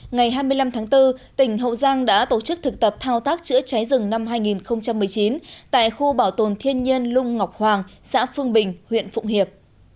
ngày hai mươi năm tháng bốn tỉnh hậu giang đã tổ chức thực tập thao tác chữa cháy rừng năm hai nghìn một mươi chín tại khu bảo tồn thiên nhiên lung ngọc hoàng xã phương bình huyện phụng hiệp